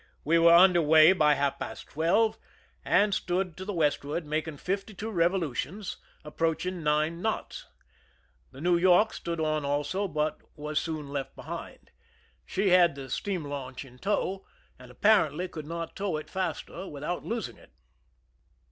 We were under way by half past twelve, and stood to the westvtard, making fifty two revolutions, ap proaching nine knots. The New York stood on also, but was soon left behind. She had the steam launch in tC'W, and apparently could not tow it faster withoiLt losing it.